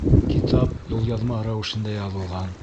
Китап юлъяҙма рәүешендә яҙылған.